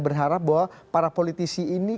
berharap bahwa para politisi ini